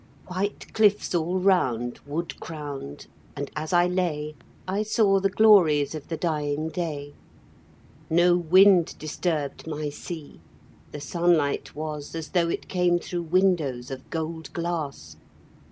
White cliffs all round, wood crowned, and as I lay I saw the glories of the dying day; No wind disturbed my sea; the sunlight was As though it came through windows of gold glass.